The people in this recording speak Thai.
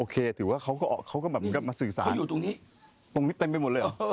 เขาเป็นงูใช่ไหม